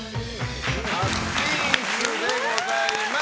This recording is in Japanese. パッピンスでございます。